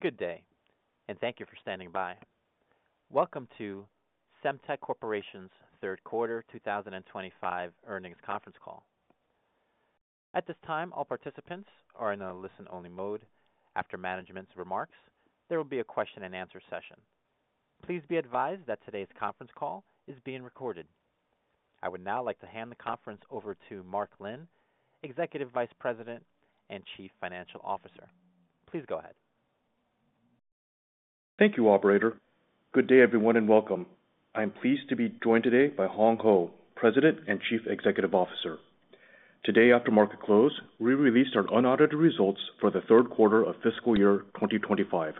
Good day, and thank you for standing by. Welcome to Semtech Corporation's Third Quarter 2025 Earnings Conference Call. At this time, all participants are in a listen-only mode. After management's remarks, there will be a question-and-answer session. Please be advised that today's conference call is being recorded. I would now like to hand the conference over to Mark Lin, Executive Vice President and Chief Financial Officer. Please go ahead. Thank you, Operator. Good day, everyone, and welcome. I'm pleased to be joined today by Hong Hou, President and Chief Executive Officer. Today, after market close, we released our unaudited results for the third quarter of fiscal year 2025,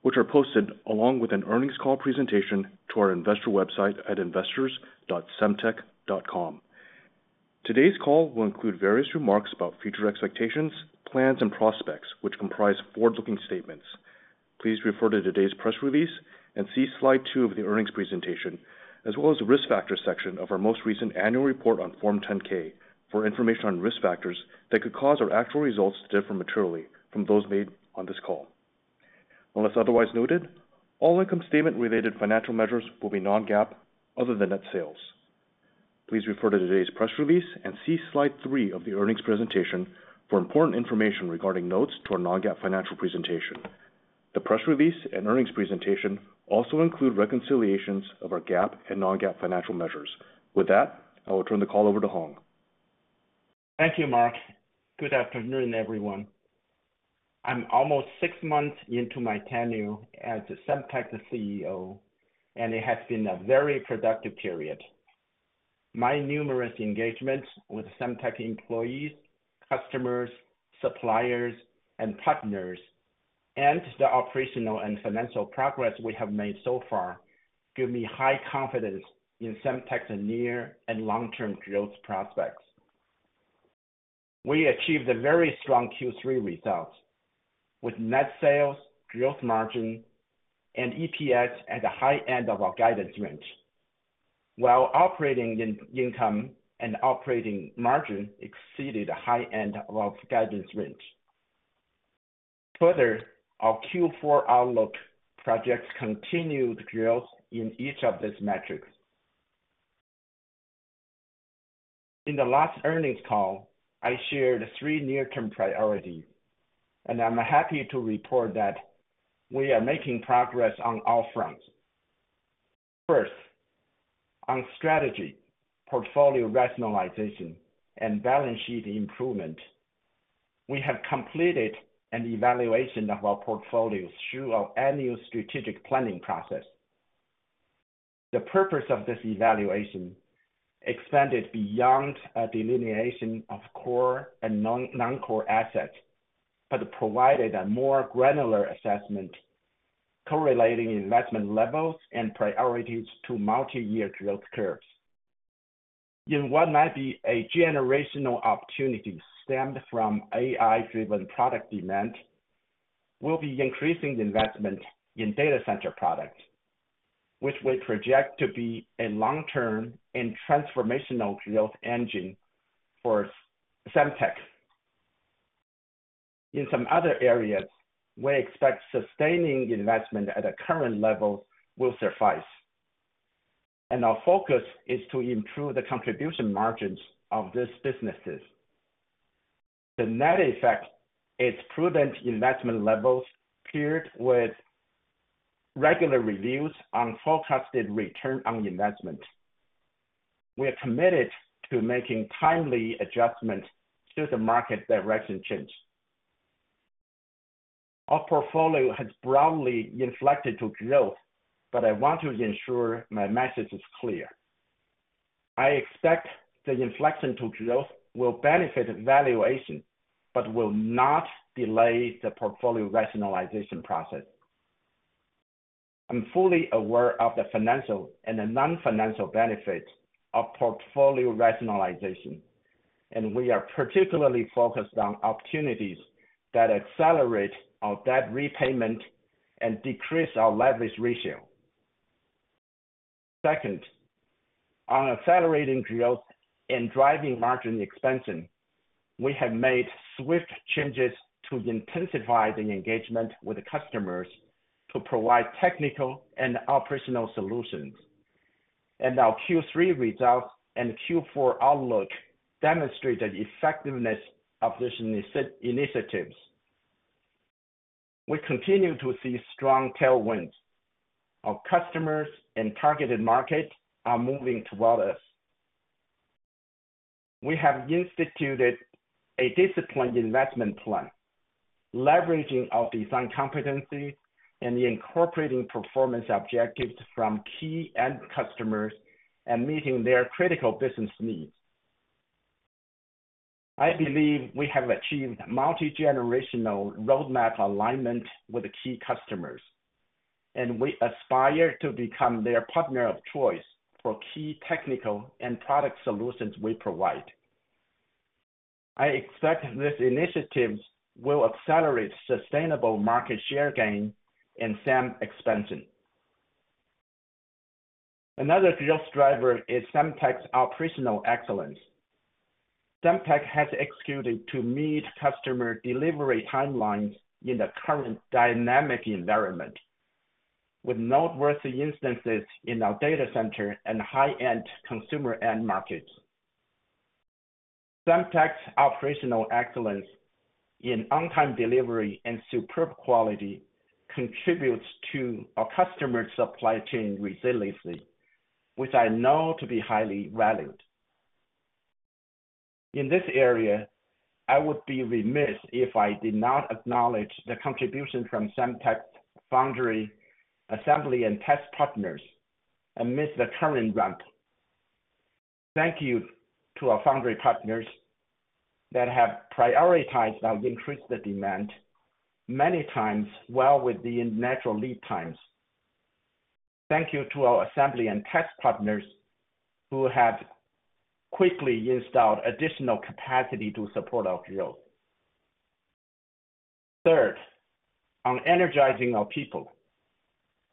which are posted along with an earnings call presentation to our investor website at investors.semtech.com. Today's call will include various remarks about future expectations, plans, and prospects, which comprise forward-looking statements. Please refer to today's press release and see slide two of the earnings presentation, as well as the risk factor section of our most recent annual report on Form 10-K for information on risk factors that could cause our actual results to differ materially from those made on this call. Unless otherwise noted, all income statement-related financial measures will be non-GAAP other than net sales. Please refer to today's press release and see Slide three of the earnings presentation for important information regarding notes to our non-GAAP financial presentation. The press release and earnings presentation also include reconciliations of our GAAP and non-GAAP financial measures. With that, I will turn the call over to Hong. Thank you, Mark. Good afternoon, everyone. I'm almost six months into my tenure as Semtech CEO, and it has been a very productive period. My numerous engagements with Semtech employees, customers, suppliers, and partners, and the operational and financial progress we have made so far give me high confidence in Semtech's near- and long-term growth prospects. We achieved a very strong Q3 result with net sales, gross margin, and EPS at the high end of our guidance range, while operating income and operating margin exceeded the high end of our guidance range. Further, our Q4 outlook projects continued growth in each of these metrics. In the last earnings call, I shared three near-term priorities, and I'm happy to report that we are making progress on all fronts. First, on strategy, portfolio rationalization, and balance sheet improvement, we have completed an evaluation of our portfolio through our annual strategic planning process. The purpose of this evaluation extended beyond a delineation of core and non-core assets but provided a more granular assessment correlating investment levels and priorities to multi-year growth curves. In what might be a generational opportunity stemmed from AI-driven product demand, we'll be increasing investment in data center products, which we project to be a long-term and transformational growth engine for Semtech. In some other areas, we expect sustaining investment at the current levels will suffice, and our focus is to improve the contribution margins of these businesses. The net effect is prudent investment levels paired with regular reviews on forecasted return on investment. We are committed to making timely adjustments to the market direction change. Our portfolio has broadly inflected to growth, but I want to ensure my message is clear. I expect the inflection to growth will benefit valuation but will not delay the portfolio rationalization process. I'm fully aware of the financial and the non-financial benefits of portfolio rationalization, and we are particularly focused on opportunities that accelerate our debt repayment and decrease our leverage ratio. Second, on accelerating growth and driving margin expansion, we have made swift changes to intensify the engagement with customers to provide technical and operational solutions, and our Q3 results and Q4 outlook demonstrate the effectiveness of these initiatives. We continue to see strong tailwinds. Our customers and targeted market are moving toward us. We have instituted a disciplined investment plan, leveraging our design competency and incorporating performance objectives from key end customers and meeting their critical business needs. I believe we have achieved multi-generational roadmap alignment with key customers, and we aspire to become their partner of choice for key technical and product solutions we provide. I expect these initiatives will accelerate sustainable market share gain and SAM expansion. Another growth driver is Semtech's operational excellence. Semtech has executed to meet customer delivery timelines in the current dynamic environment, with noteworthy instances in our data center and high-end consumer end markets. Semtech's operational excellence in on-time delivery and superb quality contributes to our customer supply chain resiliency, which I know to be highly valued. In this area, I would be remiss if I did not acknowledge the contribution from Semtech's foundry, assembly, and test partners amidst the current ramp. Thank you to our foundry partners that have prioritized our increased demand many times well within natural lead times. Thank you to our assembly and test partners who have quickly installed additional capacity to support our growth. Third, on energizing our people.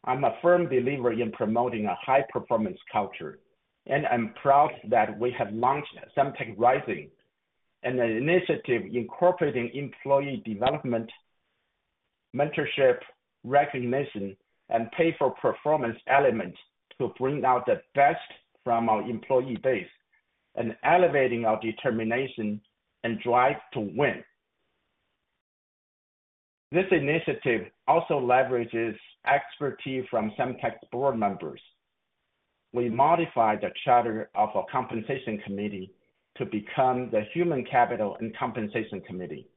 I'm a firm believer in promoting a high-performance culture, and I'm proud that we have launched Semtech Rising, an initiative incorporating employee development, mentorship, recognition, and pay-for-performance elements to bring out the best from our employee base and elevating our determination and drive to win. This initiative also leverages expertise from Semtech's board members. We modified the charter of our compensation committee to become the Human Capital and Compensation Committee.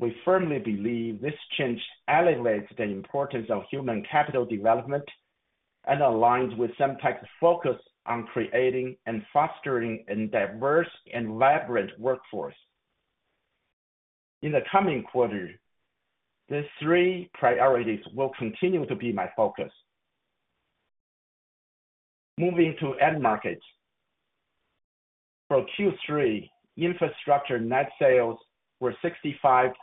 We firmly believe this change elevates the importance of human capital development and aligns with Semtech's focus on creating and fostering a diverse and vibrant workforce. In the coming quarter, these three priorities will continue to be my focus. Moving to end markets. For Q3, infrastructure net sales were $65.8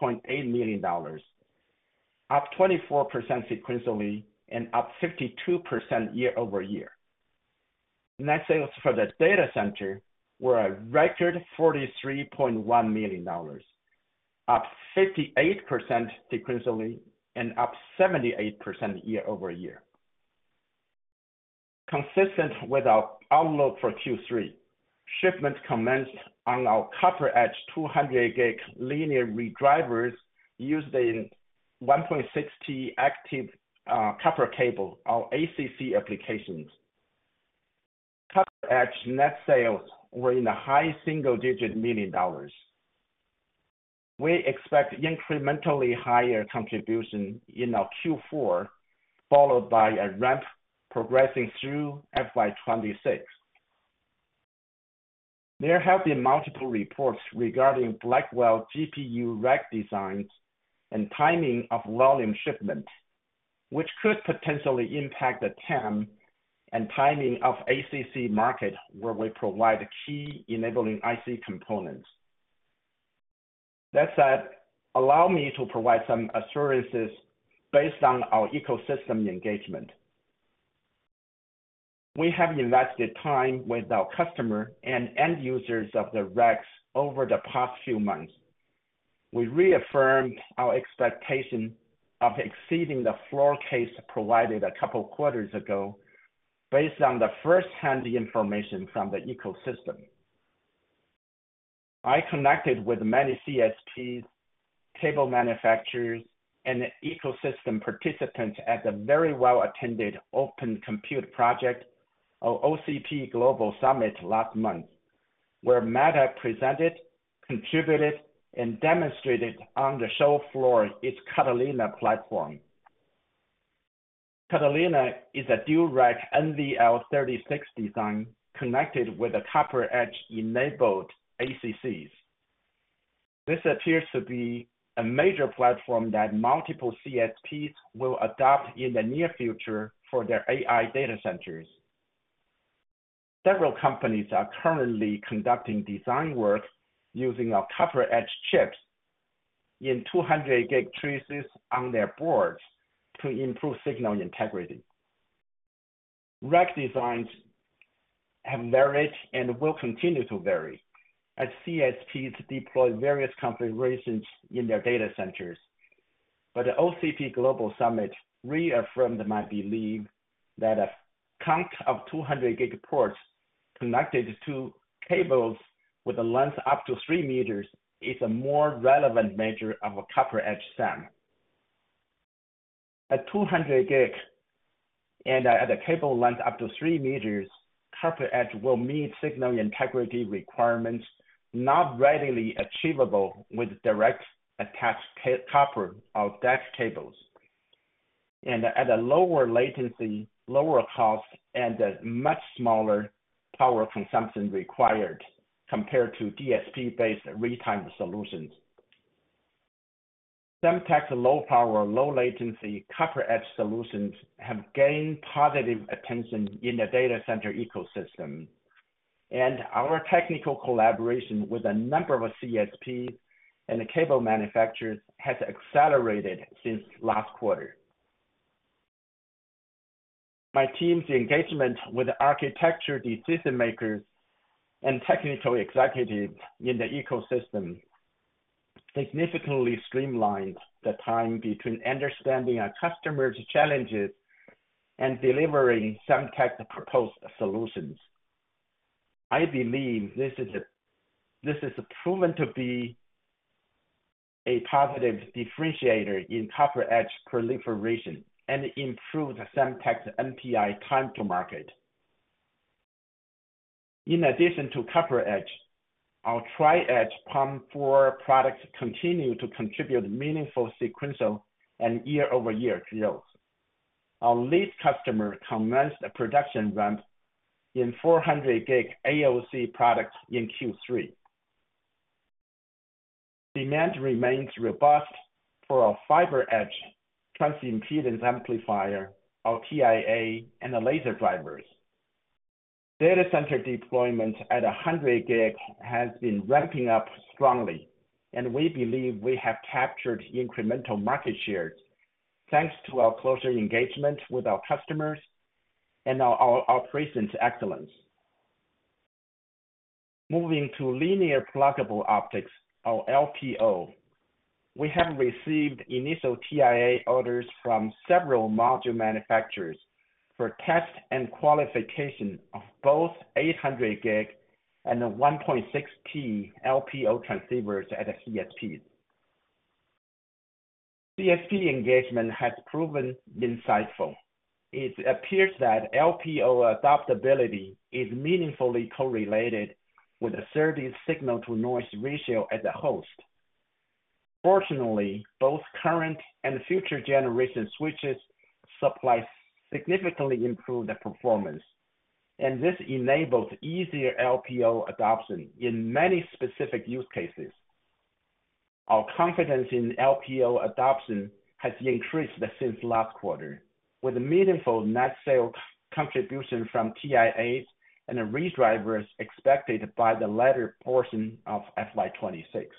million, up 24% sequentially and up 52% year-over-year. Net sales for the data center were a record $43.1 million, up 58% sequentially and up 78% year-over-year. Consistent with our outlook for Q3, shipment commenced on our CopperEdge 200 Gb linear redrivers used in 1.6T active copper cable, or ACC, applications. CopperEdge net sales were in the high single-digit million dollars. We expect incrementally higher contribution in our Q4, followed by a ramp progressing through FY 2026. There have been multiple reports regarding Blackwell GPU rack designs and timing of volume shipment, which could potentially impact the TAM and timing of ACC market where we provide key enabling IC components. That said, allow me to provide some assurances based on our ecosystem engagement. We have invested time with our customer and end users of the racks over the past few months. We reaffirmed our expectation of exceeding the floor case provided a couple of quarters ago based on the first-hand information from the ecosystem. I connected with many CSPs, cable manufacturers, and ecosystem participants at the very well-attended Open Compute Project, or OCP Global Summit, last month, where Meta presented, contributed, and demonstrated on the show floor its Catalina platform. Catalina is a dual-rack NVL36 design connected with the CopperEdge-enabled ACCs. This appears to be a major platform that multiple CSPs will adopt in the near future for their AI data centers. Several companies are currently conducting design work using our CopperEdge chips in 200 Gb traces on their boards to improve signal integrity. Rack designs have varied and will continue to vary as CSPs deploy various configurations in their data centers, but the OCP Global Summit reaffirmed my belief that a count of 200G ports connected to cables with a length up to 3 meters is a more relevant measure of a CopperEdge SAM. At 200G and at a cable length up to 3 meters, CopperEdge will meet signal integrity requirements not readily achievable with direct attached copper or DAC cables, and at a lower latency, lower cost, and much smaller power consumption required compared to DSP-based real-time solutions. Semtech's low-power, low-latency CopperEdge solutions have gained positive attention in the data center ecosystem, and our technical collaboration with a number of CSPs and cable manufacturers has accelerated since last quarter. My team's engagement with architecture decision-makers and technical executives in the ecosystem significantly streamlined the time between understanding our customers' challenges and delivering Semtech's proposed solutions. I believe this is proven to be a positive differentiator in CopperEdge proliferation and improved Semtech's NPI time to market. In addition to CopperEdge, our Tri-Edge PAM4 products continue to contribute meaningful sequential and year-over-year growth. Our lead customer commenced a production ramp in 400 Gb AOC products in Q3. Demand remains robust for our FiberEdge transimpedance amplifier, or TIA, and the laser drivers. Data center deployment at 100 Gb has been ramping up strongly, and we believe we have captured incremental market shares thanks to our closer engagement with our customers and our operations excellence. Moving to linear pluggable optics, or LPO. We have received initial TIA orders from several module manufacturers for test and qualification of both 800G and 1.6T LPO transceivers at CSPs. CSP engagement has proven insightful. It appears that LPO adoptability is meaningfully correlated with a 30 signal-to-noise ratio at the host. Fortunately, both current and future generation switches' supply significantly improved performance, and this enabled easier LPO adoption in many specific use cases. Our confidence in LPO adoption has increased since last quarter, with meaningful net sale contribution from TIAs and redrivers expected by the latter portion of FY 2026.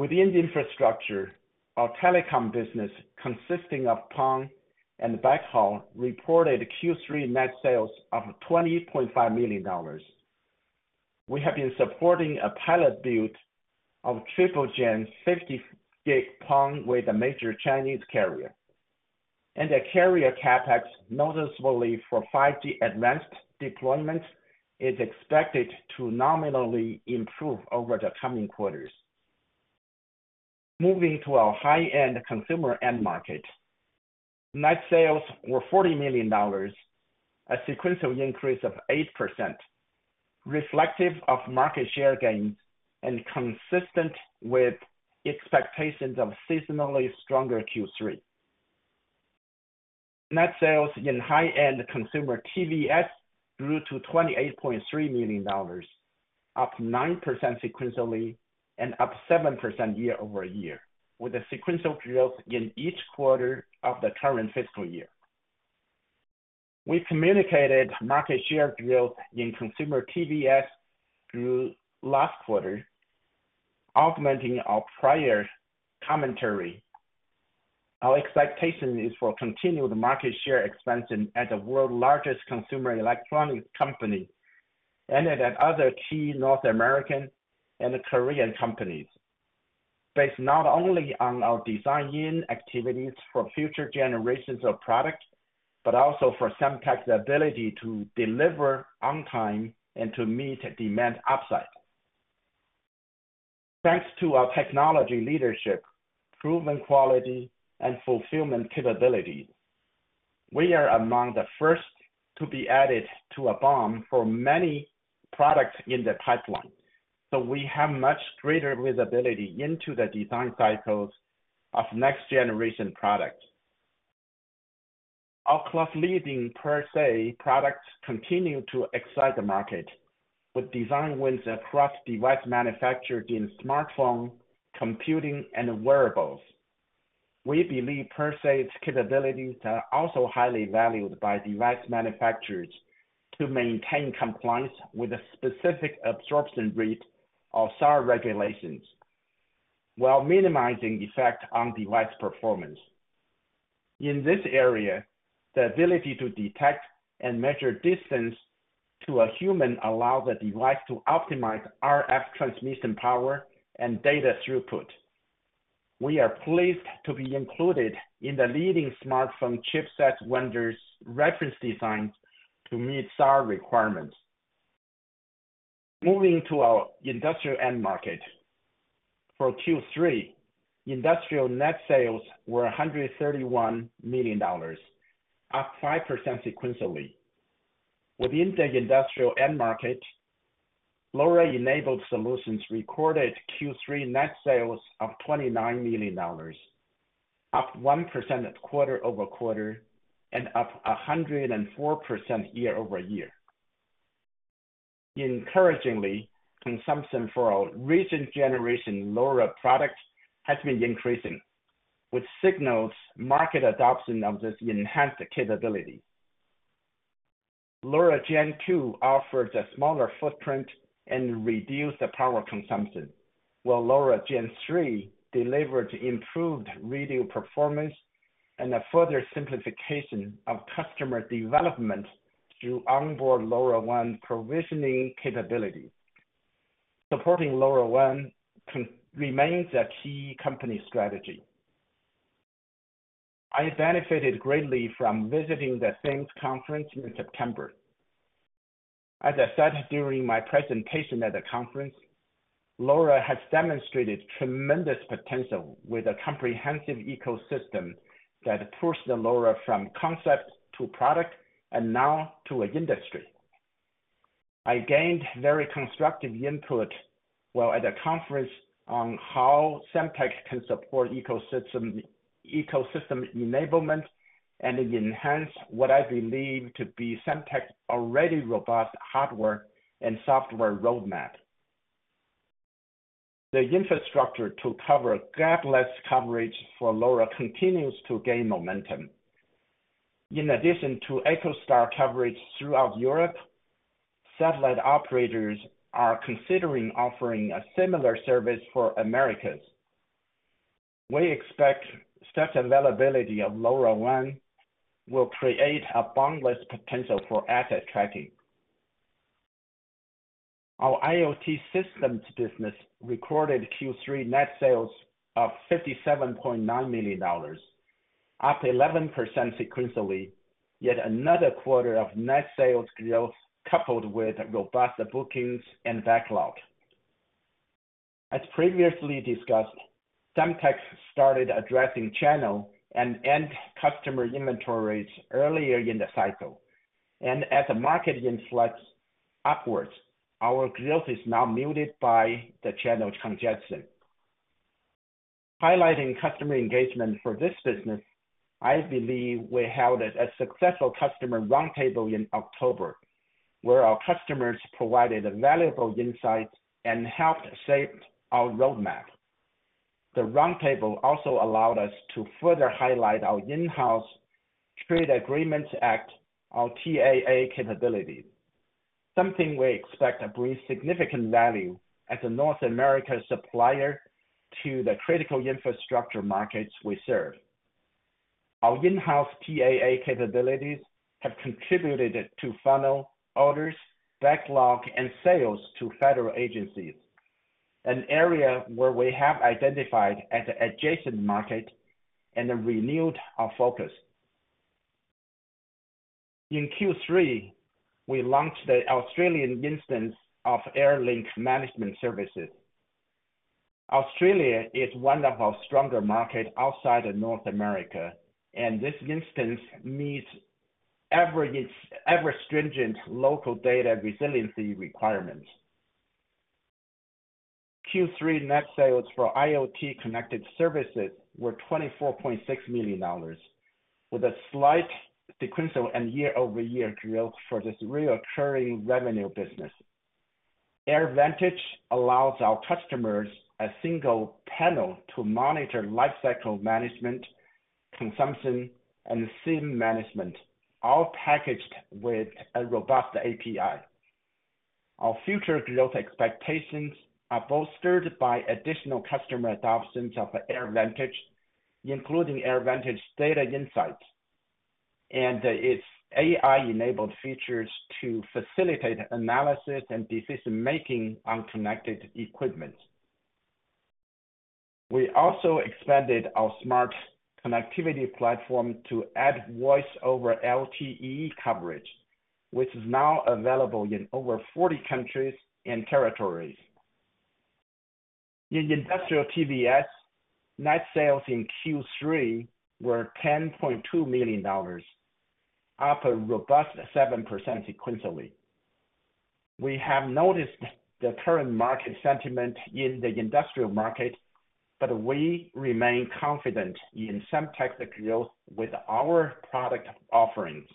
Within the infrastructure, our telecom business consisting of PON and backhaul reported Q3 net sales of $20.5 million. We have been supporting a pilot build of triple-gen 50G PON with a major Chinese carrier, and the carrier CapEx noticeably for 5G Advanced deployments is expected to nominally improve over the coming quarters. Moving to our high-end consumer end market. Net sales were $40 million, a sequential increase of 8%, reflective of market share gains and consistent with expectations of seasonally stronger Q3. Net sales in high-end consumer TVS grew to $28.3 million, up 9% sequentially and up 7% year-over-year, with a sequential growth in each quarter of the current fiscal year. We communicated market share growth in consumer TVS through last quarter, augmenting our prior commentary. Our expectation is for continued market share expansion at the world's largest consumer electronics company and at other key North American and Korean companies, based not only on our design activities for future generations of product, but also for Semtech's ability to deliver on time and to meet demand upside. Thanks to our technology leadership, proven quality, and fulfillment capabilities, we are among the first to be added to a BOM for many products in the pipeline, so we have much greater visibility into the design cycles of next-generation products. Our class-leading PerSe products continue to excite the market, with design wins across device manufacturers in smartphone, computing, and wearables. We believe PerSe's capabilities are also highly valued by device manufacturers to maintain compliance with a specific absorption rate, or SAR, regulations while minimizing effect on device performance. In this area, the ability to detect and measure distance to a human allows the device to optimize RF transmission power and data throughput. We are pleased to be included in the leading smartphone chipset vendors' reference designs to meet SAR requirements. Moving to our industrial end market. For Q3, industrial net sales were $131 million, up 5% sequentially. Within the industrial end market, LoRa-enabled solutions recorded Q3 net sales of $29 million, up 1% quarter-over-quarter and up 104% year-over-year. Encouragingly, consumption for our recent-generation LoRa product has been increasing, which signals market adoption of this enhanced capability. LoRa Gen 2 offered a smaller footprint and reduced the power consumption, while LoRa Gen 3 delivered improved radio performance and a further simplification of customer development through onboard LoRaWAN provisioning capability. Supporting LoRaWAN remains a key company strategy. I benefited greatly from visiting the SAMS conference in September. As I said during my presentation at the conference, LoRa has demonstrated tremendous potential with a comprehensive ecosystem that pushed the LoRa from concept to product and now to an industry. I gained very constructive input while at the conference on how Semtech can support ecosystem enablement and enhance what I believe to be Semtech's already robust hardware and software roadmap. The infrastructure to cover gapless coverage for LoRa continues to gain momentum. In addition to EchoStar coverage throughout Europe, satellite operators are considering offering a similar service for Americas. We expect such availability of LoRaWAN will create a boundless potential for asset tracking. Our IoT systems business recorded Q3 net sales of $57.9 million, up 11% sequentially, yet another quarter of net sales growth coupled with robust bookings and backlog. As previously discussed, Semtech started addressing channel and end customer inventories earlier in the cycle, and as the market inflects upwards, our growth is now muted by the channel congestion. Highlighting customer engagement for this business, I believe we held a successful customer roundtable in October where our customers provided valuable insights and helped shape our roadmap. The roundtable also allowed us to further highlight our in-house Trade Agreements Act, or TAA, capabilities, something we expect to bring significant value as a North America supplier to the critical infrastructure markets we serve. Our in-house TAA capabilities have contributed to funnel orders, backlog, and sales to federal agencies, an area where we have identified an adjacent market and renewed our focus. In Q3, we launched the Australian instance of AirLink Management Services. Australia is one of our stronger markets outside of North America, and this instance meets ever-stringent local data resiliency requirements. Q3 net sales for IoT connected services were $24.6 million, with a slight sequential and year-over-year growth for this recurring revenue business. AirVantage allows our customers a single panel to monitor lifecycle management, consumption, and SIM management, all packaged with a robust API. Our future growth expectations are bolstered by additional customer adoptions of AirVantage, including AirVantage data insights and its AI-enabled features to facilitate analysis and decision-making on connected equipment. We also expanded our smart connectivity platform to add voice-over LTE coverage, which is now available in over 40 countries and territories. In industrial TVS, net sales in Q3 were $10.2 million, up a robust 7% sequentially. We have noticed the current market sentiment in the industrial market, but we remain confident in Semtech's growth with our product offerings.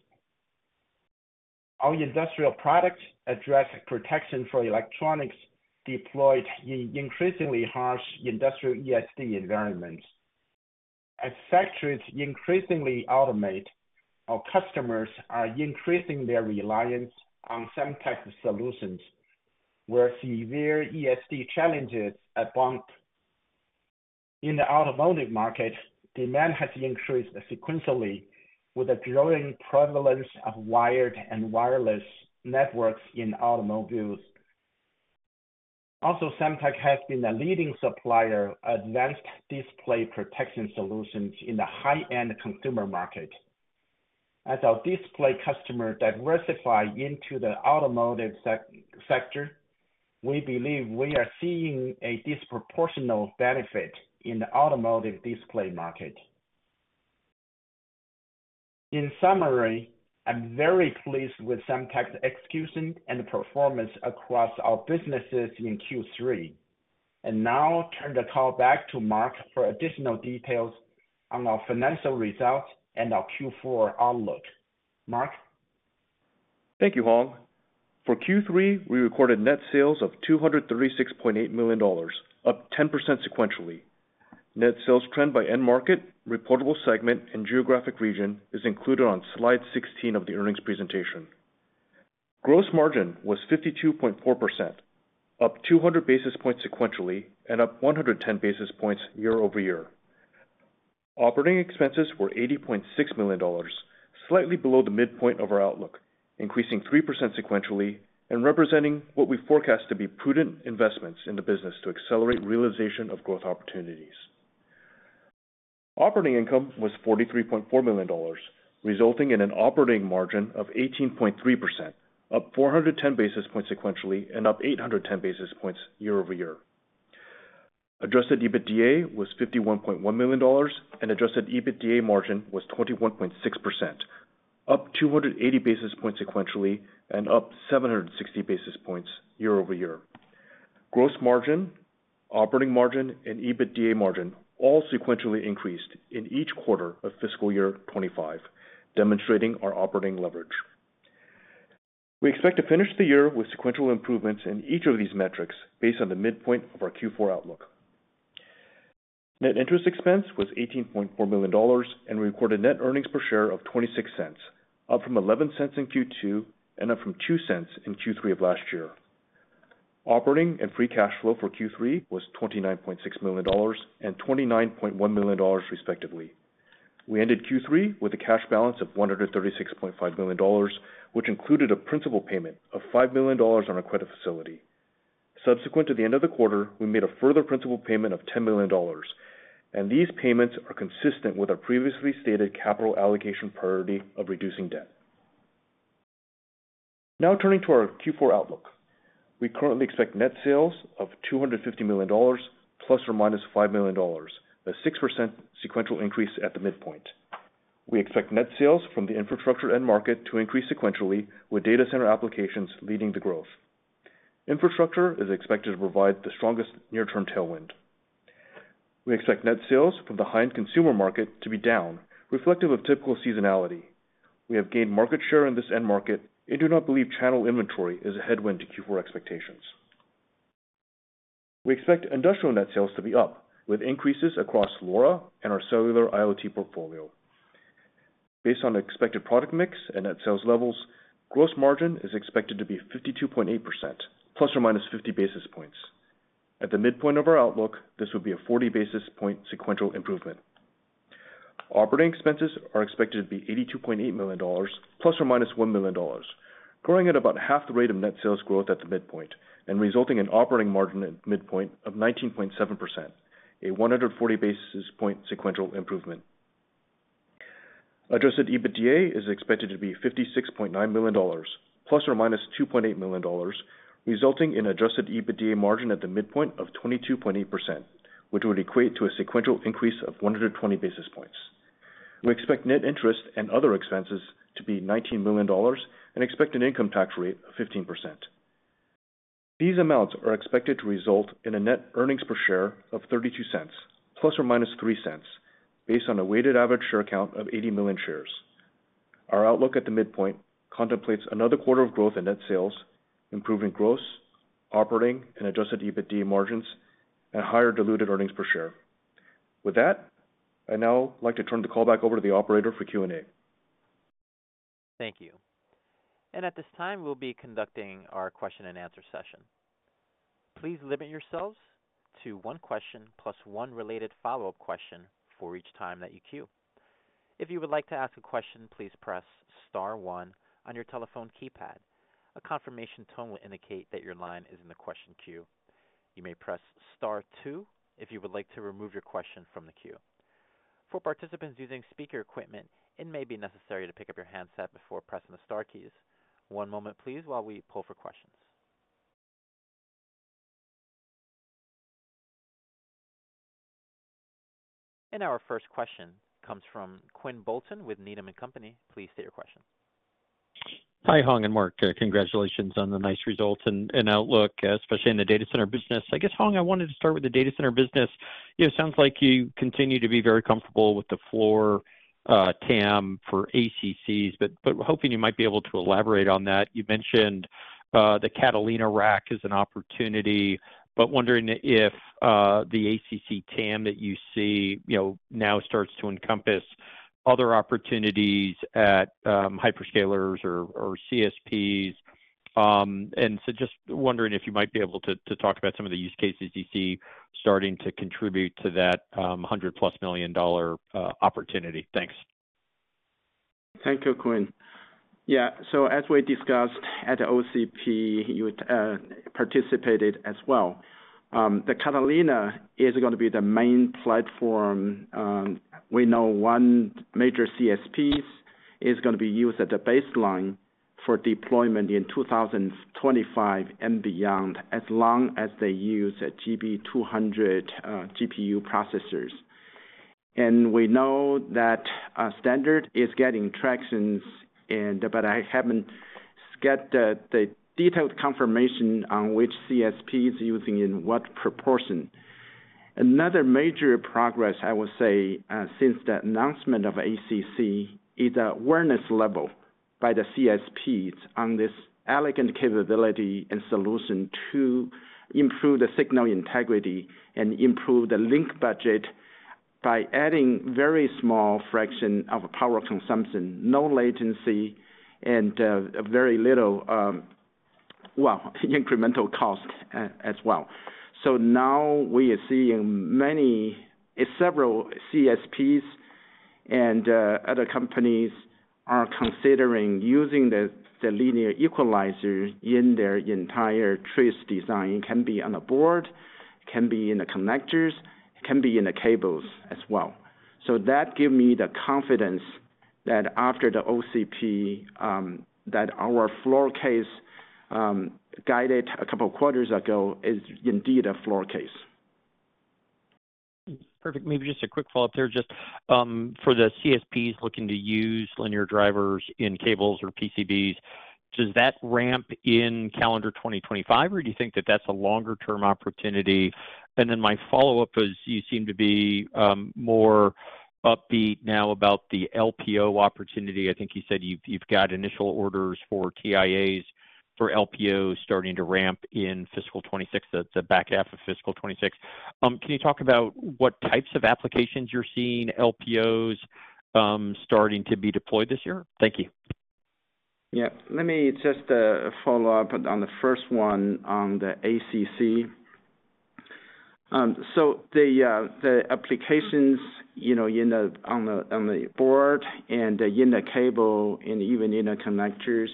Our industrial products address protection for electronics deployed in increasingly harsh industrial ESD environments. As factories increasingly automate, our customers are increasing their reliance on Semtech's solutions, where severe ESD challenges abound. In the automotive market, demand has increased sequentially with a growing prevalence of wired and wireless networks in automobiles. Also, Semtech has been a leading supplier of advanced display protection solutions in the high-end consumer market. As our display customers diversify into the automotive sector, we believe we are seeing a disproportional benefit in the automotive display market. In summary, I'm very pleased with Semtech's execution and performance across our businesses in Q3, and now turn the call back to Mark for additional details on our financial results and our Q4 outlook. Mark? Thank you, Hong. For Q3, we recorded net sales of $236.8 million, up 10% sequentially. Net sales trend by end market, reportable segment, and geographic region is included on Slide 16 of the earnings presentation. Gross margin was 52.4%, up 200 basis points sequentially and up 110 basis points year-over-year. Operating expenses were $80.6 million, slightly below the midpoint of our outlook, increasing 3% sequentially and representing what we forecast to be prudent investments in the business to accelerate realization of growth opportunities. Operating income was $43.4 million, resulting in an operating margin of 18.3%, up 410 basis points sequentially and up 810 basis points year-over-year. Adjusted EBITDA was $51.1 million, and Adjusted EBITDA margin was 21.6%, up 280 basis points sequentially and up 760 basis points year-over-year. Gross margin, operating margin, and EBITDA margin all sequentially increased in each quarter of fiscal year 2025, demonstrating our operating leverage. We expect to finish the year with sequential improvements in each of these metrics based on the midpoint of our Q4 outlook. Net interest expense was $18.4 million, and we recorded net earnings per share of $0.26, up from $0.11 in Q2 and up from $0.02 in Q3 of last year. Operating and free cash flow for Q3 was $29.6 million and $29.1 million, respectively. We ended Q3 with a cash balance of $136.5 million, which included a principal payment of $5 million on a credit facility. Subsequent to the end of the quarter, we made a further principal payment of $10 million, and these payments are consistent with our previously stated capital allocation priority of reducing debt. Now turning to our Q4 outlook, we currently expect net sales of $250 million, plus or minus $5 million, a 6% sequential increase at the midpoint. We expect net sales from the infrastructure end market to increase sequentially, with data center applications leading the growth. Infrastructure is expected to provide the strongest near-term tailwind. We expect net sales from the high-end consumer market to be down, reflective of typical seasonality. We have gained market share in this end market and do not believe channel inventory is a headwind to Q4 expectations. We expect industrial net sales to be up, with increases across LoRa and our cellular IoT portfolio. Based on expected product mix and net sales levels, gross margin is expected to be 52.8%, plus or minus 50 basis points. At the midpoint of our outlook, this would be a 40 basis point sequential improvement. Operating expenses are expected to be $82.8 million, plus or minus $1 million, growing at about half the rate of net sales growth at the midpoint and resulting in operating margin at midpoint of 19.7%, a 140 basis point sequential improvement. Adjusted EBITDA is expected to be $56.9 million, plus or minus $2.8 million, resulting in Adjusted EBITDA margin at the midpoint of 22.8%, which would equate to a sequential increase of 120 basis points. We expect net interest and other expenses to be $19 million and expect an income tax rate of 15%. These amounts are expected to result in a net earnings per share of $0.32, plus or minus $0.03, based on a weighted average share count of 80 million shares. Our outlook at the midpoint contemplates another quarter of growth in net sales, improving gross, operating, and Adjusted EBITDA margins, and higher diluted earnings per share. With that, I'd now like to turn the call back over to the operator for Q&A. Thank you. And at this time, we'll be conducting our question-and-answer session. Please limit yourselves to one question plus one related follow-up question for each time that you queue. If you would like to ask a question, please press star one on your telephone keypad. A confirmation tone will indicate that your line is in the question queue. You may press star two if you would like to remove your question from the queue. For participants using speaker equipment, it may be necessary to pick up your handset before pressing the star keys. One moment, please, while we poll for questions. And our first question comes from Quinn Bolton with Needham & Company. Please state your question. Hi, Hong and Mark. Congratulations on the nice results and outlook, especially in the data center business. I guess, Hong, I wanted to start with the data center business. It sounds like you continue to be very comfortable with the floor TAM for ACCs, but hoping you might be able to elaborate on that. You mentioned the Catalina rack is an opportunity, but, wondering if the ACC TAM that you see now starts to encompass other opportunities at hyperscalers or CSPs. And so just wondering if you might be able to talk about some of the use cases you see starting to contribute to that $100 million-plus opportunity. Thanks. Thank you, Quinn. Yeah. So as we discussed at OCP, you participated as well. The Catalina is going to be the main platform. We know one major CSP is going to be used at the baseline for deployment in 2025 and beyond, as long as they use GB200 GPU processors. And we know that standard is getting traction, but I haven't got the detailed confirmation on which CSPs are using it and what proportion. Another major progress, I would say, since the announcement of ACC is the awareness level by the CSPs on this elegant capability and solution to improve the signal integrity and improve the link budget by adding a very small fraction of power consumption, no latency, and very little, well, incremental cost as well. So now we are seeing many several CSPs and other companies are considering using the linear equalizer in their entire trace design. It can be on a board, it can be in the connectors, it can be in the cables as well. So that gives me the confidence that after the OCP, that our floor case guided a couple of quarters ago, is indeed a floor case. Perfect. Maybe just a quick follow-up there. Just for the CSPs looking to use linear drivers in cables or PCBs, does that ramp in calendar 2025, or do you think that that's a longer-term opportunity? And then my follow-up is you seem to be more upbeat now about the LPO opportunity. I think you said you've got initial orders for TIAs for LPOs starting to ramp in fiscal 2026, the back half of fiscal 2026. Can you talk about what types of applications you're seeing LPOs starting to be deployed this year? Thank you. Yeah. Let me just follow up on the first one on the ACC. So the applications on the board and in the cable and even in the connectors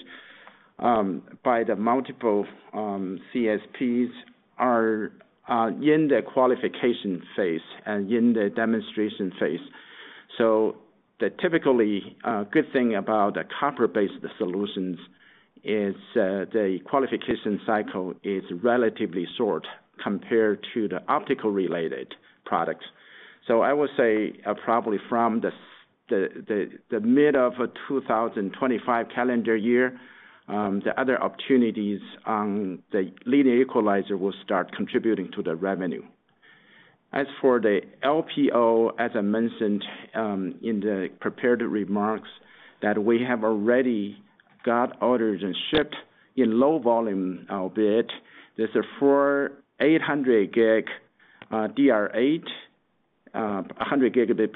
by the multiple CSPs are in the qualification phase and in the demonstration phase. So the typically good thing about the copper-based solutions is the qualification cycle is relatively short compared to the optical-related products. So I would say probably from the mid of the 2025 calendar year, the other opportunities on the linear equalizer will start contributing to the revenue. As for the LPO, as I mentioned in the prepared remarks, that we have already got orders and shipped in low-volume a bit. There's a 800 Gb DR8, 100 Gb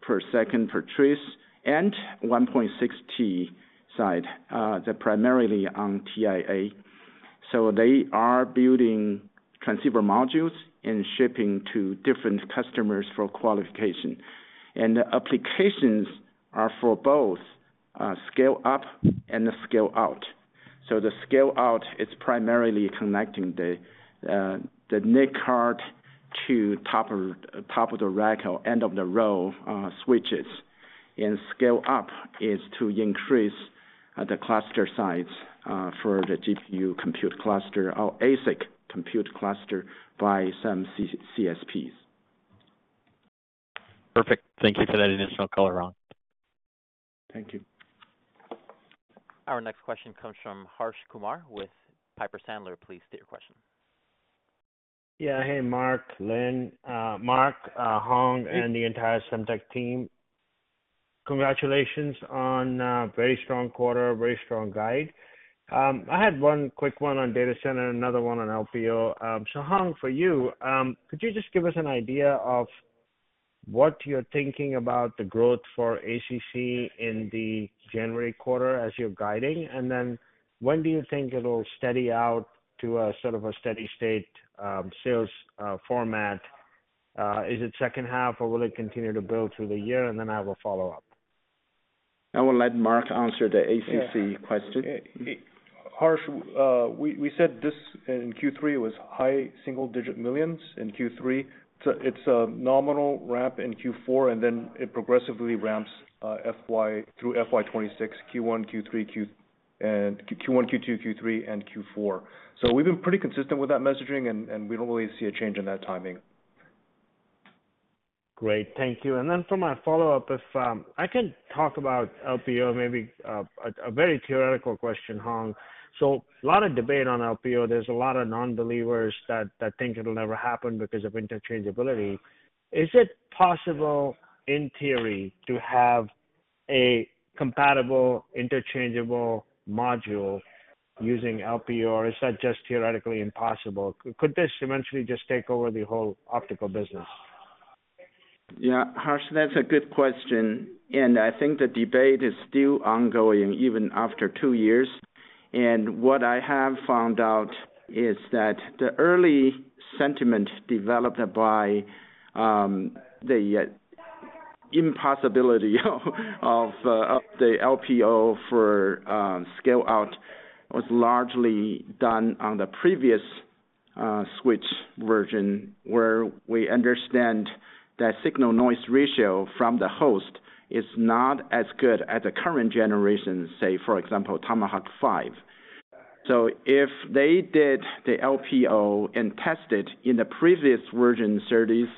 per second per trace, and 1.6T side, primarily on TIA. So they are building transceiver modules and shipping to different customers for qualification. And the applications are for both scale-up and scale-out. So the scale-out is primarily connecting the NIC card to top of the rack or end of the row switches. And scale-up is to increase the cluster size for the GPU compute cluster or ASIC compute cluster by some CSPs. Perfect. Thank you for that additional color on. Thank you. Our next question comes from Harsh Kumar with Piper Sandler. Please state your question. Yeah. Hey, Mark Lin, Hong, and the entire Semtech team. Congratulations on a very strong quarter, very strong guide. I had one quick one on data center, another one on LPO. So Hong, for you, could you just give us an idea of what you're thinking about the growth for ACC in the January quarter as you're guiding? And then when do you think it'll steady out to a sort of a steady-state sales format? Is it second half, or will it continue to build through the year? And then I have a follow-up. I will let Mark answer the ACC question. Harsh, we said this in Q3 was high single-digit millions. In Q3, it's a nominal ramp in Q4, and then it progressively ramps through FY 2026, Q1, Q2, Q3, and Q4. So we've been pretty consistent with that messaging, and we don't really see a change in that timing. Great. Thank you. And then for my follow-up, if I can talk about LPO, maybe a very theoretical question, Hong. So a lot of debate on LPO. There's a lot of non-believers that think it'll never happen because of interchangeability. Is it possible in theory to have a compatible interchangeable module using LPO, or is that just theoretically impossible? Could this eventually just take over the whole optical business? Yeah. Harsh, that's a good question. And I think the debate is still ongoing even after two years. And what I have found out is that the early sentiment developed by the impossibility of the LPO for scale-out was largely done on the previous switch version, where we understand that signal-to-noise ratio from the host is not as good as the current generation, say, for example, Tomahawk 5. So if they did the LPO and tested in the previous version series,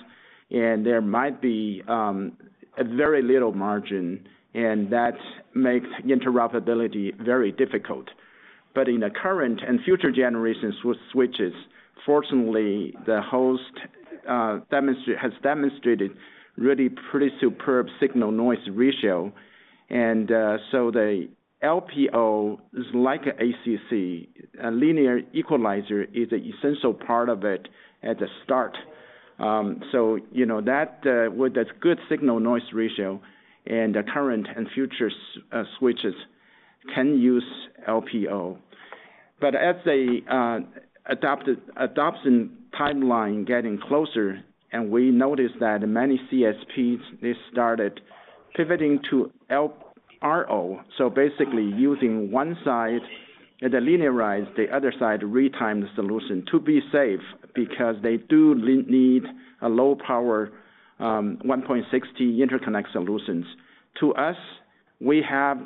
and there might be very little margin, and that makes interoperability very difficult. But in the current and future generations with switches, fortunately, the host has demonstrated really pretty superb signal-to-noise ratio. And so the LPO is like ACC. A linear equalizer is an essential part of it at the start. So with a good signal-to-noise ratio, and the current and future switches can use LPO. But as the adoption timeline is getting closer, and we noticed that many CSPs, they started pivoting to LRO, so basically using one side and the linearized, the other side retimed solution to be safe because they do need a low-power 1.6T interconnect solutions. To us, we have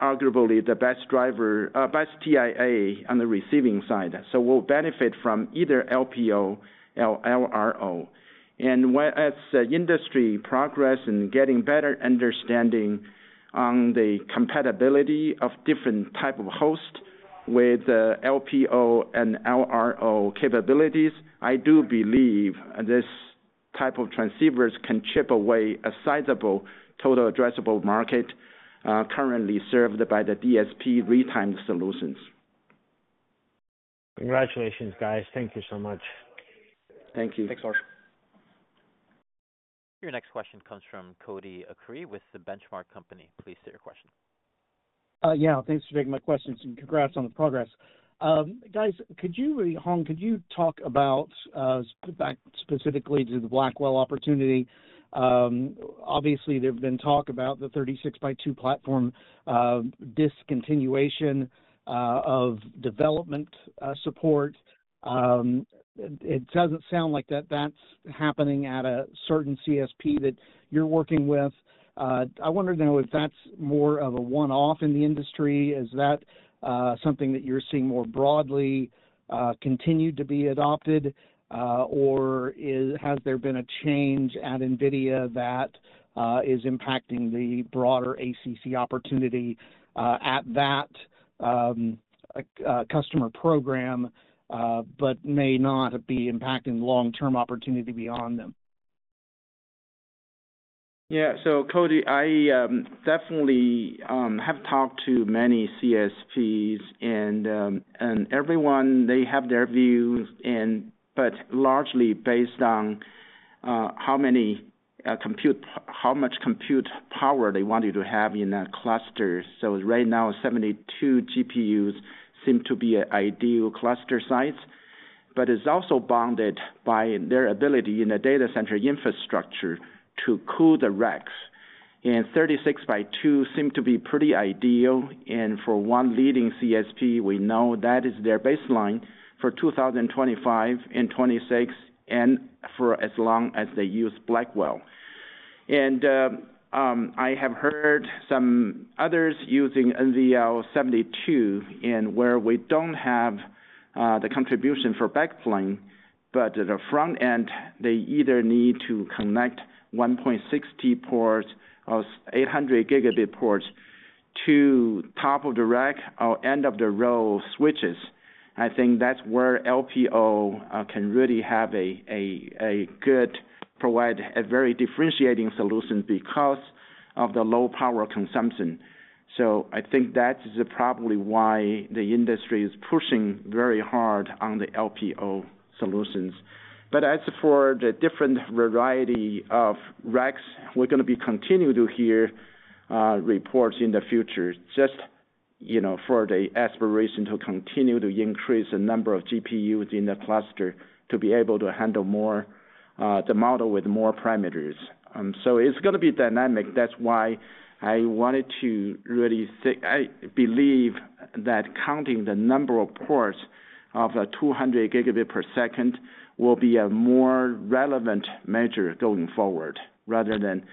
arguably the best TIA on the receiving side. So we'll benefit from either LPO or LRO. And as industry progress and getting better understanding on the compatibility of different types of hosts with LPO and LRO capabilities, I do believe this type of transceivers can chip away a sizable total addressable market currently served by the DSP retimed solutions. Congratulations, guys. Thank you so much. Thank you. Thanks, Harsh. Your next question comes from Cody Acree with The Benchmark Company. Please state your question. Yeah. Thanks for taking my questions. And congrats on the progress. Guys, could you, Hong, could you talk about specifically to the Blackwell opportunity? Obviously, there's been talk about the NVL36 platform discontinuation of development support. It doesn't sound like that that's happening at a certain CSP that you're working with. I want to know if that's more of a one-off in the industry. Is that something that you're seeing more broadly continue to be adopted, or has there been a change at NVIDIA that is impacting the broader ACC opportunity at that customer program but may not be impacting the long-term opportunity beyond them? Yeah. So Cody, I definitely have talked to many CSPs, and everyone, they have their views, but largely based on how much compute power they wanted to have in that cluster. Right now, 72 GPUs seem to be an ideal cluster size, but it's also bounded by their ability in the data center infrastructure to cool the racks. 36x2 seem to be pretty ideal. For one leading CSP, we know that is their baseline for 2025 and 2026 and for as long as they use Blackwell. I have heard some others using NVL72, and where we don't have the contribution for backplane, but at the front end, they either need to connect 1.6T ports or 800 gigabit ports to top of the rack or end of the row switches. I think that's where LPO can really have a good provide a very differentiating solution because of the low power consumption. I think that is probably why the industry is pushing very hard on the LPO solutions. But as for the different variety of racks, we're going to be continuing to hear reports in the future just for the aspiration to continue to increase the number of GPUs in the cluster to be able to handle the model with more parameters. So it's going to be dynamic. That's why I wanted to really believe that counting the number of ports of 200 Gb per second will be a more relevant measure going forward rather than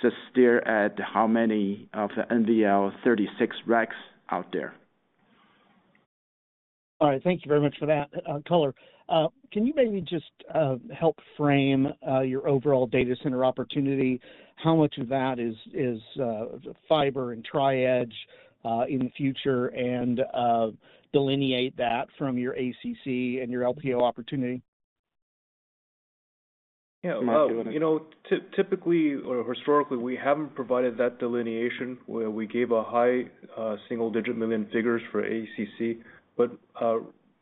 just stare at how many of the NVL36 racks out there. All right. Thank you very much for that color. Can you maybe just help frame your overall data center opportunity? How much of that is fiber and Tri-Edge in the future and delineate that from your ACC and your LPO opportunity? Yeah. Typically or historically, we haven't provided that delineation where we gave a high single-digit million figures for ACC. But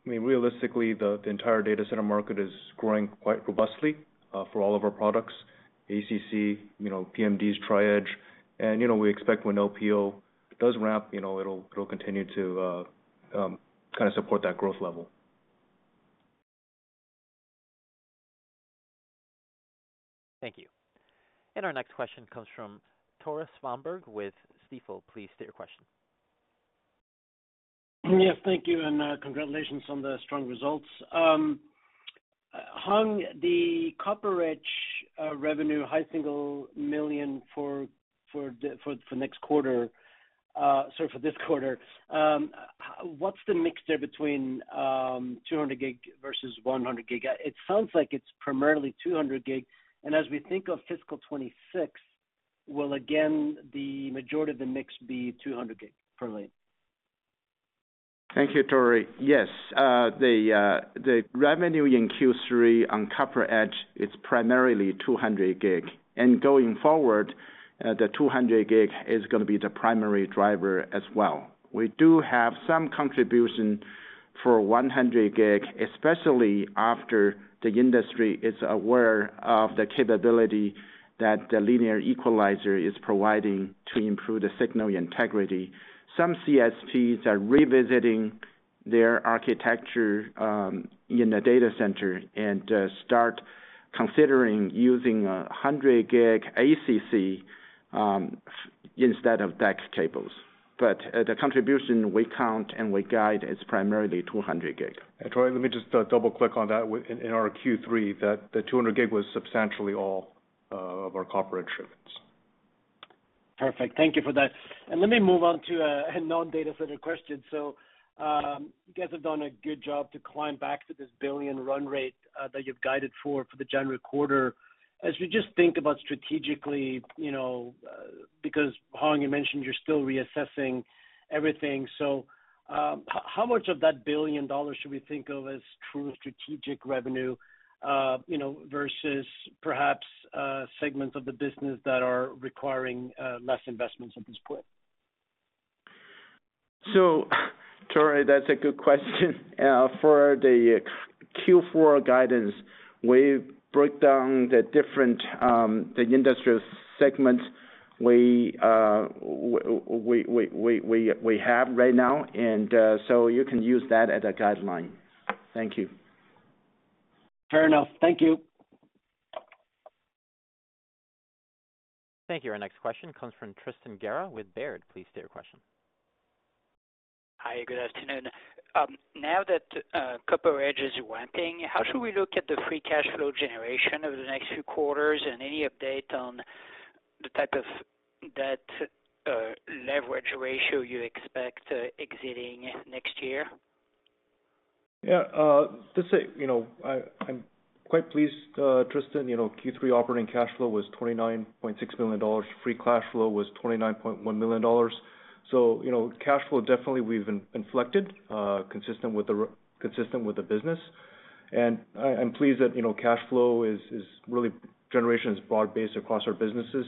realistically, the entire data center market is growing quite robustly for all of our products: ACC, PMDs, Tri-Edge. And we expect when LPO does ramp, it'll continue to kind of support that growth level. Thank you. And our next question comes from Tore Svanberg with Stifel. Please state your question. Yes. Thank you. And congratulations on the strong results. Hong, the CopperEdge revenue, high single million for next quarter, sorry, for this quarter, what's the mix there between 200 Gb versus 100 Gb? It sounds like it's primarily 200 Gb. And as we think of fiscal 2026, will again the majority of the mix be 200 Gb per lane? Thank you, Tory. Yes. The revenue in Q3 on CopperEdge is primarily 200 Gb. And going forward, the 200 Gb is going to be the primary driver as well. We do have some contribution for 100 Gb, especially after the industry is aware of the capability that the linear equalizer is providing to improve the signal integrity. Some CSPs are revisiting their architecture in the data center and start considering using a 100 Gb ACC instead of DAC cables. But the contribution we count and we guide is primarily 200 Gb. Tore, let me just double-click on that. In our Q3, the 200 Gb was substantially all of our CopperEdge shipments. Perfect. Thank you for that, and let me move on to a non-data center question, so you guys have done a good job to climb back to this $1 billion run rate that you've guided for the January quarter. As we just think about strategically, because Hong, you mentioned you're still reassessing everything. So how much of that $1 billion should we think of as true strategic revenue versus perhaps segments of the business that are requiring less investments at this point? Tore, that's a good question. For the Q4 guidance, we broke down the different industrial segments we have right now, and you can use that as a guideline. Thank you. Fair enough. Thank you. Thank you. Our next question comes from Tristan Gerra with Baird. Please state your question. Hi. Good afternoon. Now that CopperEdge is ramping, how should we look at the free cash flow generation over the next few quarters and any update on the type of debt leverage ratio you expect exiting next year? Yeah. That's to say, I'm quite pleased, Tristan. Q3 operating cash flow was $29.6 million. Free cash flow was $29.1 million. Cash flow definitely we've inflected consistent with the business. And I'm pleased that cash flow generation is broad-based across our businesses.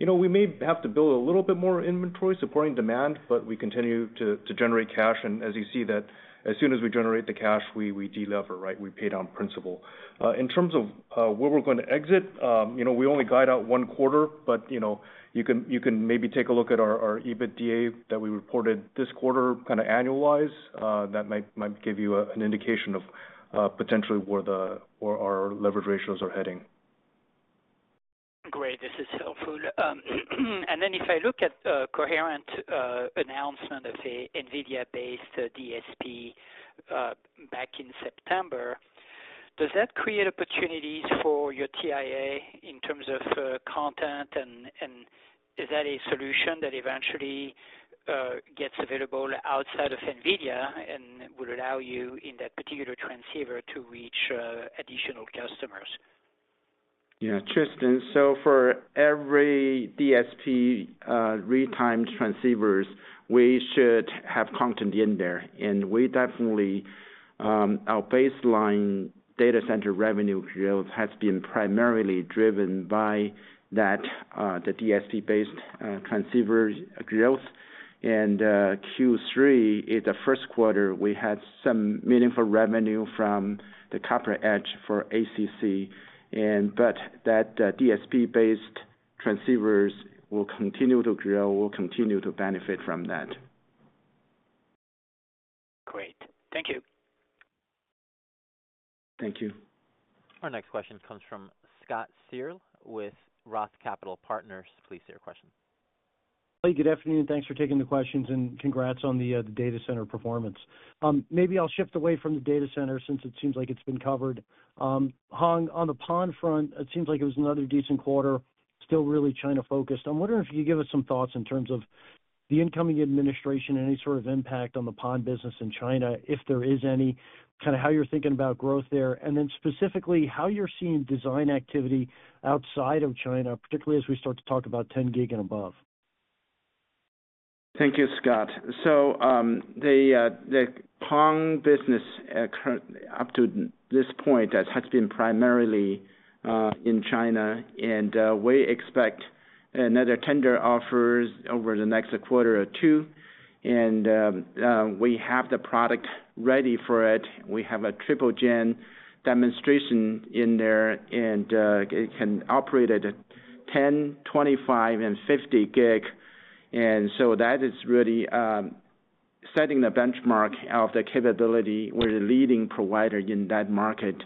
We may have to build a little bit more inventory supporting demand, but we continue to generate cash. And as you see that, as soon as we generate the cash, we delever, right? We pay down principal. In terms of where we're going to exit, we only guide out one quarter, but you can maybe take a look at our EBITDA that we reported this quarter kind of annualized. That might give you an indication of potentially where our leverage ratios are heading. Great. This is helpful. And then if I look at the coherent announcement of the NVIDIA-based DSP back in September, does that create opportunities for your TIA in terms of content? And is that a solution that eventually gets available outside of NVIDIA and will allow you in that particular transceiver to reach additional customers? Yeah. Tristan, so for every DSP retimed transceivers, we should have content in there. And definitely, our baseline data center revenue growth has been primarily driven by the DSP-based transceiver growth. And Q3, in the first quarter, we had some meaningful revenue from the CopperEdge for ACC. But that DSP-based transceivers will continue to grow, will continue to benefit from that. Great. Thank you. Thank you. Our next question comes from Scott Searle with Roth Capital Partners. Please state your question. Hey, good afternoon. Thanks for taking the questions. And congrats on the data center performance. Maybe I'll shift away from the data center since it seems like it's been covered. Hong, on the PON front, it seems like it was another decent quarter, still really China-focused. I'm wondering if you could give us some thoughts in terms of the incoming administration, any sort of impact on the PON business in China, if there is any, kind of how you're thinking about growth there, and then specifically how you're seeing design activity outside of China, particularly as we start to talk about 10 Gb and above. Thank you, Scott. So the PON business up to this point has been primarily in China. And we expect another tender offer over the next quarter or two. And we have the product ready for it. We have a triple-gen demonstration in there. And it can operate at 10, 25, and 50 Gb. And so that is really setting the benchmark of the capability. We're the leading provider in that market.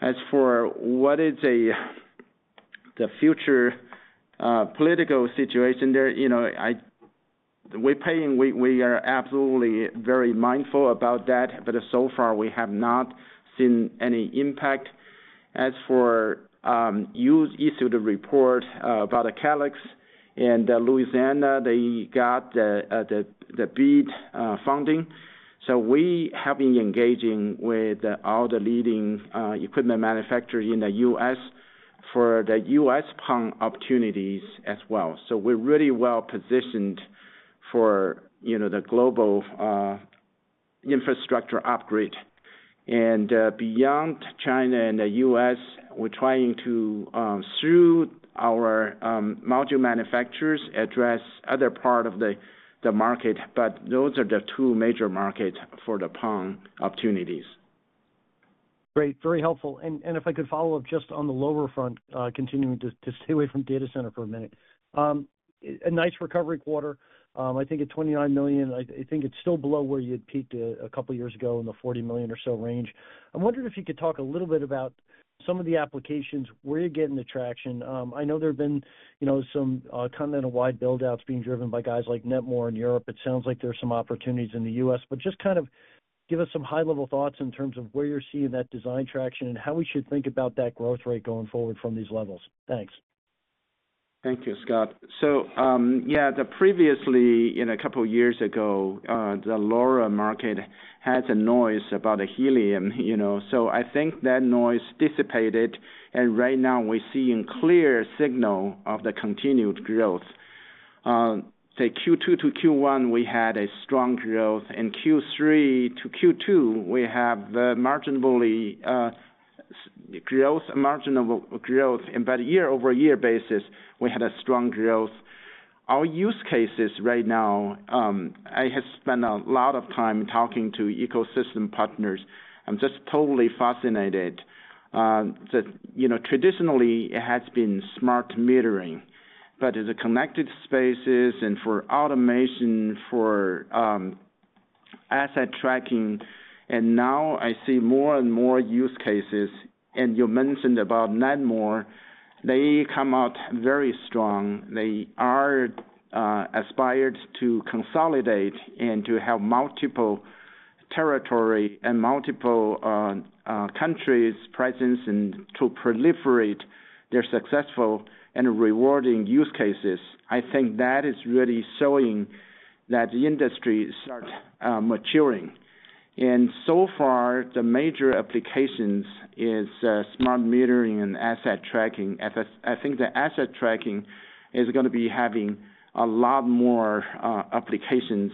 As for what is the future political situation there, we are absolutely very mindful about that. But so far, we have not seen any impact. As for the U.S., the report about the Calix and Louisiana, they got the BEAD funding. So we have been engaging with all the leading equipment manufacturers in the U.S. for the U.S. PON opportunities as well. So we're really well positioned for the global infrastructure upgrade. And beyond China and the U.S., we're trying to, through our module manufacturers, address other parts of the market. But those are the two major markets for the PON opportunities. Great. Very helpful. And if I could follow up just on the LoRa front, continuing to stay away from data center for a minute. A nice recovery quarter. I think at $29 million, I think it's still below where you'd peaked a couple of years ago in the $40 million or so range. I'm wondering if you could talk a little bit about some of the applications where you're getting the traction. I know there have been some continental-wide buildouts being driven by guys like Netmore in Europe. It sounds like there are some opportunities in the U.S. But just kind of give us some high-level thoughts in terms of where you're seeing that design traction and how we should think about that growth rate going forward from these levels. Thanks. Thank you, Scott. So yeah, previously, a couple of years ago, the LoRa market had some noise about Helium. So I think that noise dissipated. And right now, we're seeing a clear signal of the continued growth. From Q1 to Q2, we had a strong growth. In Q3 to Q2, we have marginal growth. But year-over-year basis, we had a strong growth. Our use cases right now, I have spent a lot of time talking to ecosystem partners. I'm just totally fascinated. Traditionally, it has been smart metering. But it's connected spaces and for automation, for asset tracking. And now I see more and more use cases. And you mentioned about Netmore. They come out very strong. They are aspiring to consolidate and to have multiple territories and multiple countries' presence to proliferate their successful and rewarding use cases. I think that is really showing that the industry is starting to mature. And so far, the major applications are smart metering and asset tracking. I think the asset tracking is going to be having a lot more applications.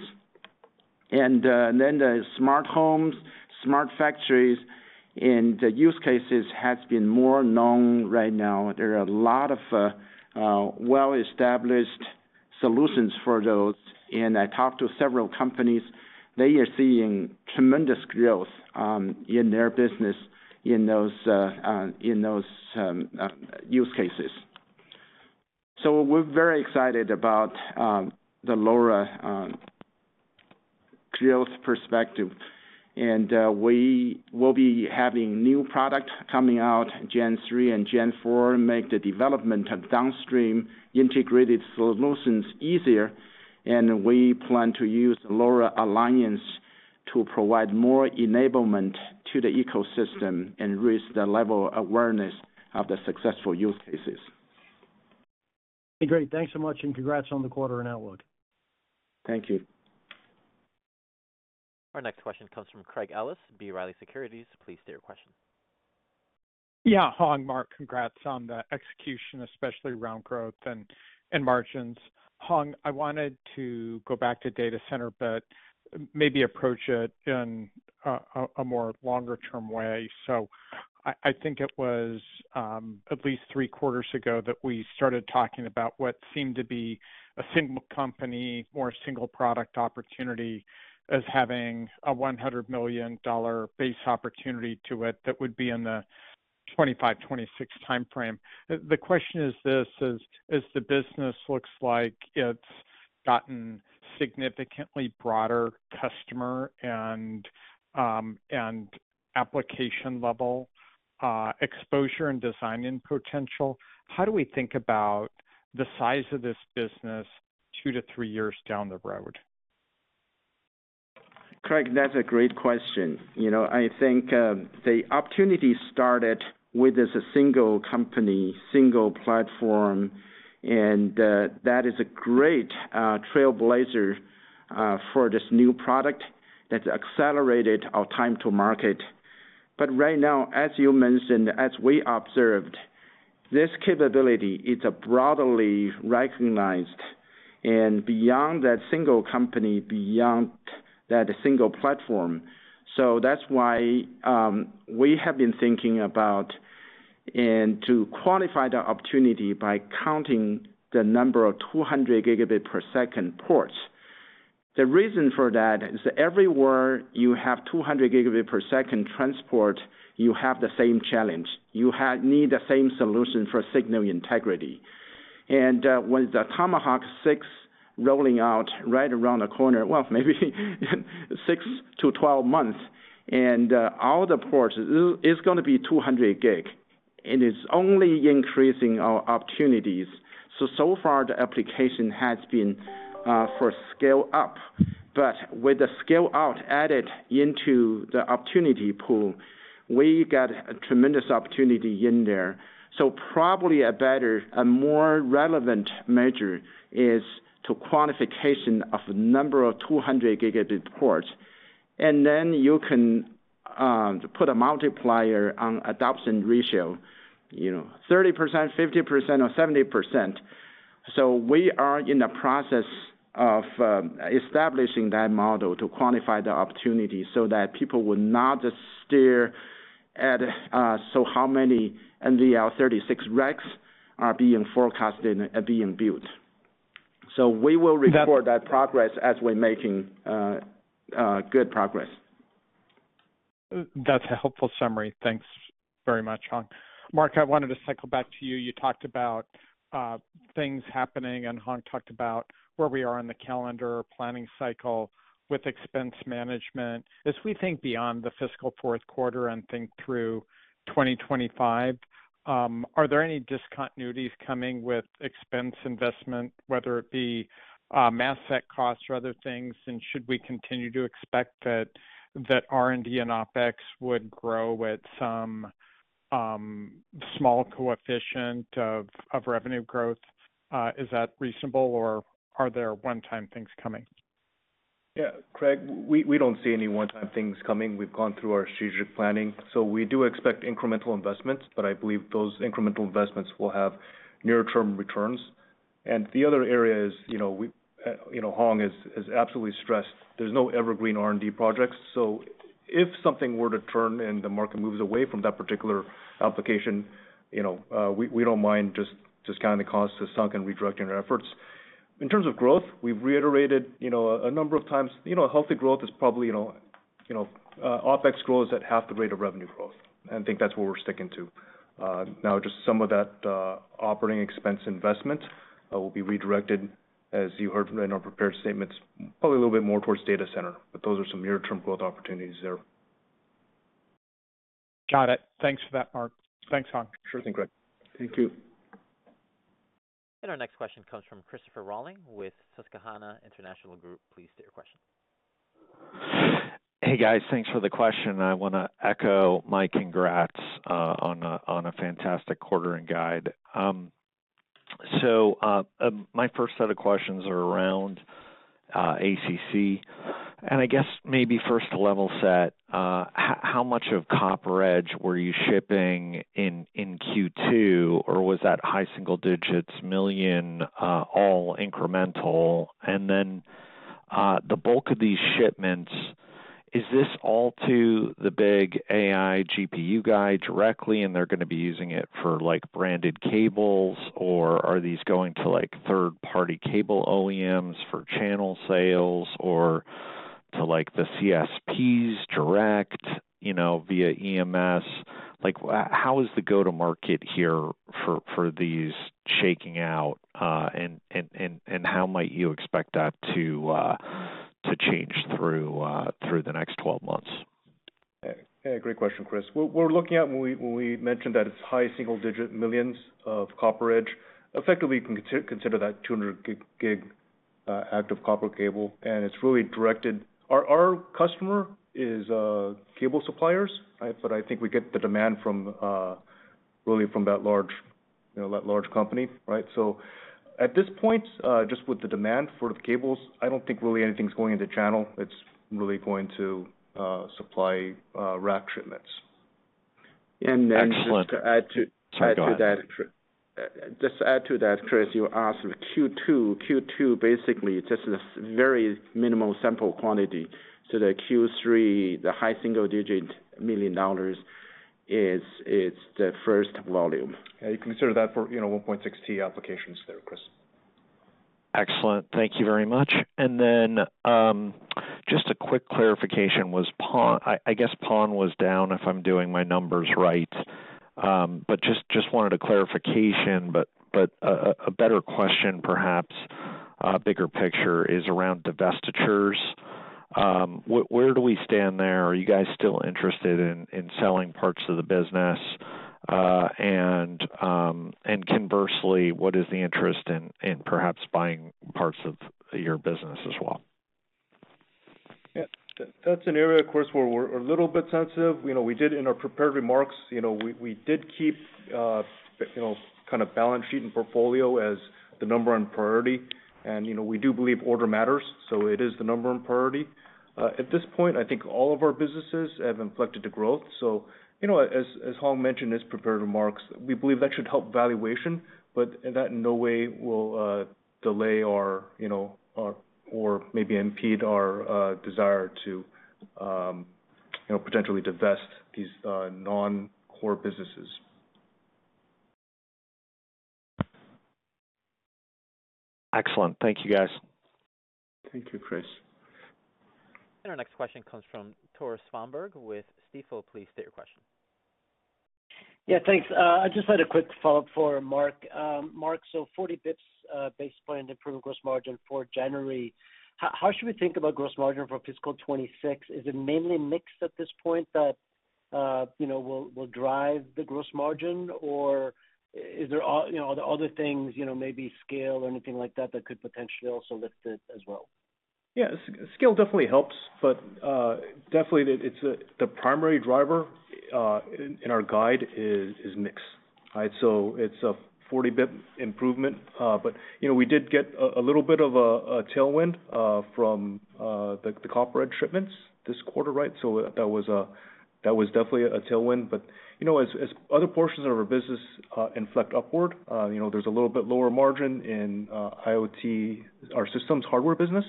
And then the smart homes, smart factories, and the use cases have been more known right now. There are a lot of well-established solutions for those. And I talked to several companies. They are seeing tremendous growth in their business in those use cases. So we're very excited about the LoRa growth perspective. And we will be having new products coming out, Gen3 and Gen4, make the development of downstream integrated solutions easier. And we plan to use the LoRa Alliance to provide more enablement to the ecosystem and raise the level of awareness of the successful use cases. Okay. Great. Thanks so much. And congrats on the quarter and outlook. Thank you. Our next question comes from Craig Ellis, B. Riley Securities. Please state your question. Yeah. Hong, Mark, congrats on the execution, especially around growth and margins. Hong, I wanted to go back to data center, but maybe approach it in a more longer-term way. I think it was at least three quarters ago that we started talking about what seemed to be a single company, more single product opportunity as having a $100 million base opportunity to it that would be in the 2025, 2026 timeframe. The question is this: Is the business looks like it's gotten significantly broader customer and application-level exposure and design potential? How do we think about the size of this business two to three years down the road? Craig, that's a great question. I think the opportunity started with this single company, single platform. And that is a great trailblazer for this new product that's accelerated our time to market. But right now, as you mentioned, as we observed, this capability is broadly recognized and beyond that single company, beyond that single platform. That's why we have been thinking about and to qualify the opportunity by counting the number of 200 gigabit per second ports. The reason for that is everywhere you have 200 Gb per second transport, you have the same challenge. You need the same solution for signal integrity. With the Tomahawk 6 rolling out right around the corner, well, maybe six to 12 months, and all the ports, it's going to be 200 Gb. It's only increasing our opportunities. So far, the application has been for scale-up. But with the scale-out added into the opportunity pool, we got a tremendous opportunity in there. Probably a better, a more relevant measure is to qualification of a number of 200 Gb ports. Then you can put a multiplier on adoption ratio, 30%, 50%, or 70%. So we are in the process of establishing that model to quantify the opportunity so that people will not just stare at how many NVL36 racks are being forecasted and being built. So we will report that progress as we're making good progress. That's a helpful summary. Thanks very much, Hong. Mark, I wanted to cycle back to you. You talked about things happening. And Hong talked about where we are on the calendar planning cycle with expense management. As we think beyond the fiscal fourth quarter and think through 2025, are there any discontinuities coming with expense investment, whether it be mask set costs or other things? And should we continue to expect that R&D and OpEx would grow at some small coefficient of revenue growth? Is that reasonable, or are there one-time things coming? Yeah. Craig, we don't see any one-time things coming. We've gone through our strategic planning, so we do expect incremental investments, but I believe those incremental investments will have near-term returns, and the other area is Hong has absolutely stressed there's no evergreen R&D projects, so if something were to turn and the market moves away from that particular application, we don't mind just discounting the sunk costs and redirecting our efforts. In terms of growth, we've reiterated a number of times healthy growth is probably OpEx grows at half the rate of revenue growth, and I think that's what we're sticking to. Now, just some of that operating expense investment will be redirected, as you heard from in our prepared statements, probably a little bit more towards data center, but those are some near-term growth opportunities there. Got it. Thanks for that, Mark. Thanks, Hong. Sure thing, Craig. Thank you. Our next question comes from Christopher Rolland with Susquehanna International Group. Please state your question. Hey, guys. Thanks for the question. I want to echo my congrats on a fantastic quarter and guide. So my first set of questions are around ACC. And I guess maybe first to level set, how much of CopperEdge were you shipping in Q2? Or was that high single digits, million, all incremental? And then the bulk of these shipments, is this all to the big AI GPU guy directly? And they're going to be using it for branded cables? Or are these going to third-party cable OEMs for channel sales or to the CSPs direct via EMS? How is the go-to-market here for these shaking out? And how might you expect that to change through the next 12 months? Yeah. Great question, Chris. We're looking at when we mentioned that it's high single-digit millions of CopperEdge. Effectively, you can consider that 200 gig active copper cable. And it's really directed. Our customer is cable suppliers. But I think we get the demand really from that large company. So at this point, just with the demand for the cables, I don't think really anything's going into channel. It's really going to supply rack shipments. And then just to add to that, Chris, you asked Q2. Q2, basically, it's just a very minimal sample quantity. So the Q3, the high single-digit million dollars is the first volume. Yeah. You consider that for 1.6T applications there, Chris. Excellent. Thank you very much. And then just a quick clarification was PON. I guess PON was down, if I'm doing my numbers right. But just wanted a clarification. But a better question, perhaps, bigger picture is around divestitures. Where do we stand there? Are you guys still interested in selling parts of the business? And conversely, what is the interest in perhaps buying parts of your business as well? Yeah. That's an area, of course, where we're a little bit sensitive. We did, in our prepared remarks, we did keep kind of balance sheet and portfolio as the number one priority. And we do believe order matters. So it is the number one priority. At this point, I think all of our businesses have inflected to growth. So as Hong mentioned in his prepared remarks, we believe that should help valuation. But that in no way will delay or maybe impede our desire to potentially divest these non-core businesses. Excellent. Thank you, guys. Thank you, Chris. And our next question comes from Tore Svanberg with Stifel. Please state your question. Yeah. Thanks. I just had a quick follow-up for Mark. Mark, so 40 basis points base plan to improve gross margin for January. How should we think about gross margin for fiscal 2026? Is it mainly mix at this point that will drive the gross margin? Or are there other things, maybe scale or anything like that, that could potentially also lift it as well? Yeah. Scale definitely helps. But definitely, the primary driver in our guide is mix. So it's a 40 basis point improvement. But we did get a little bit of a tailwind from the CopperEdge shipments this quarter. So that was definitely a tailwind. But as other portions of our business inflect upward, there's a little bit lower margin in IoT, our systems hardware business.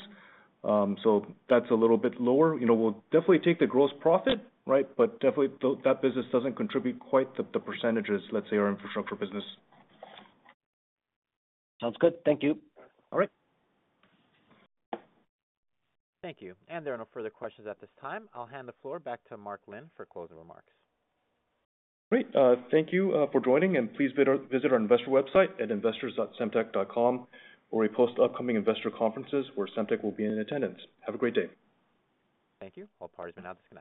So that's a little bit lower. We'll definitely take the gross profit. But definitely, that business doesn't contribute quite the percentages, let's say, our infrastructure business. Sounds good. Thank you. All right. Thank you. And there are no further questions at this time. I'll hand the floor back to Mark Lin for closing remarks. Great. Thank you for joining. And please visit our investor website at investors.semtech.com, where we post upcoming investor conferences where Semtech will be in attendance. Have a great day. Thank you. All parties may now dismiss.